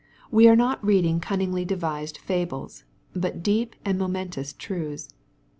We are not reading cunningly devised fables, but deep and momentous truths.